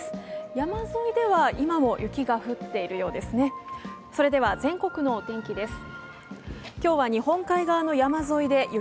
山沿いでは今も雪が降っているようですね。